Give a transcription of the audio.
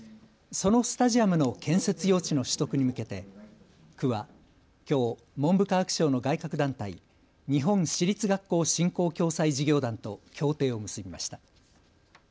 そのスタジアムの建設用地の取得に向けて区はきょう文部科学省の外郭団体、日本私立学校振興・共催事業団と協定を結びました。